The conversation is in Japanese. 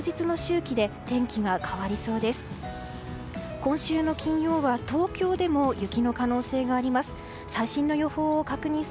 今週の金曜は東京でも雪の可能性があります。